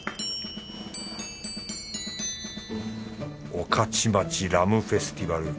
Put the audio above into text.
御徒町ラムフェスティバル